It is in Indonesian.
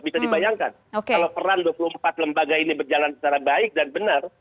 bisa dibayangkan kalau peran dua puluh empat lembaga ini berjalan secara baik dan benar